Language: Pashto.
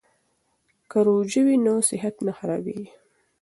که روژه وي نو صحت نه خرابیږي.